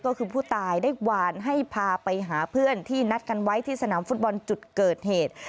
ก็คือผู้ตายได้วานให้พาไปหาเพื่อนที่นัดกันไว้ที่สนามฟุตบอลจุดเกิดเหตุ